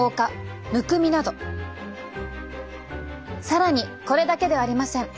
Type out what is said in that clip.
更にこれだけではありません。